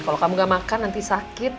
kalau kamu gak makan nanti sakit